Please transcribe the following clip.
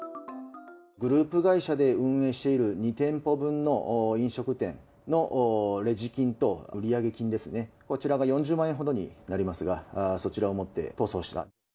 グループ会社で運営している２店舗分の飲食店のレジ金と売上金ですね、こちらが４０万円ほどになりますが、そちらを持って逃走した。